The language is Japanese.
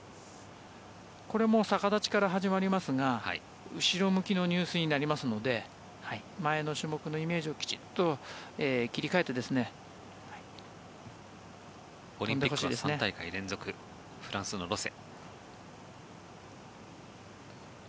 これも逆立ちから始まりますが後ろ向きの入水になりますので前の種目のイメージをきちんと切り替えてオリンピックは３大会連続フランスのロセ。